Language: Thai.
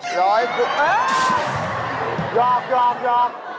หลอยคือยอก